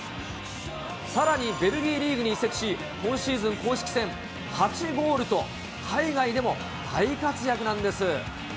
さらにベルギーリーグに移籍し、今シーズン、公式戦８ゴールと海外でも大活躍なんです。